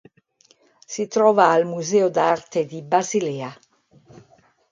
Si trova al Museo d'arte di Basilea.